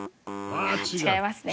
違いますね。